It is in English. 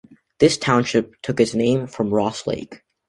This township took its name from Ross Lake.